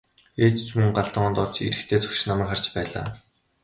Ээж ч мөн гал тогоонд орж ирэхдээ зогсож намайг харж байлаа.